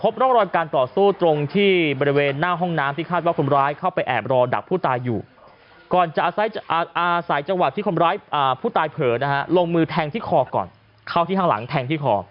บาดแทงที่คอก่อนเข้าที่ข้างหลังแทงที่คอ